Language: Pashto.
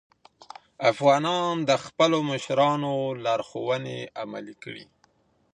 افغانانو د خپلو مشرانو لارښوونې عملي کړې.